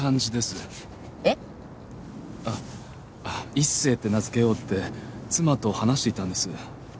一星って名付けようって妻と話していたんです。